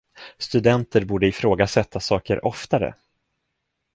Studenter borde ifrågasätta saker oftare.